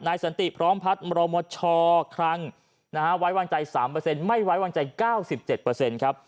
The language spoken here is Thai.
นายสันติพร้อมพัดมรมชครั้งไว้วางใจ๓เปอร์เซ็นต์ไม่ไว้วางใจ๙๗เปอร์เซ็นต์ครับ